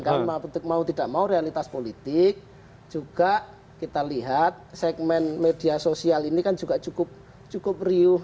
karena mau tidak mau realitas politik juga kita lihat segmen media sosial ini kan juga cukup riuh